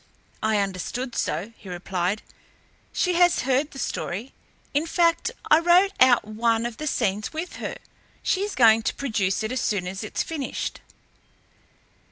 "I understood so," he replied. "She has heard the story in fact I wrote out one of the scenes with her. She is going to produce it as soon as it's finished."